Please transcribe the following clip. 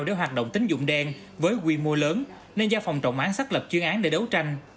để hoạt động tính dụng đen với quy mô lớn nên do phòng trọng án xác lập chuyên án để đấu tranh